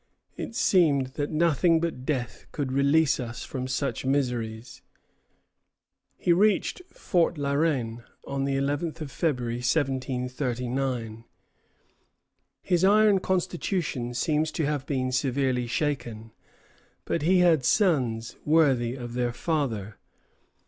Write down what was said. It seemed that nothing but death could release us from such miseries." He reached Fort La Reine on the 11th of February, 1739. His iron constitution seems to have been severely shaken; but he had sons worthy of their father.